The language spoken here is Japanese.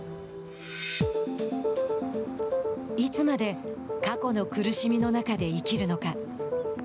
いつまで、過去の苦しみの中で生きるのか。